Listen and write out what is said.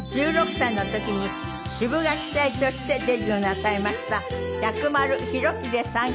１６歳の時にシブがき隊としてデビューなさいました薬丸裕英さん